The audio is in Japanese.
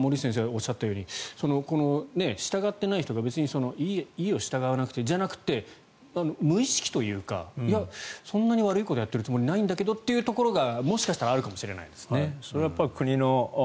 森内先生がおっしゃるように従っていない人がいいよ、従わなくてじゃなくて無意識というかそんなに悪いことやっているつもりないんだけどというのがあるのかもしれないですね。